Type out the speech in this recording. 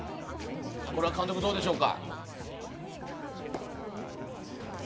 これは監督、どうでしょうか。